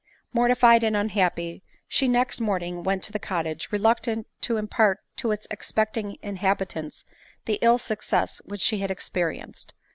Mortified .and unhappy, she next morning went to the cottage, reluctant to impart to its expecting inhabitants the iff success which she had "experienced.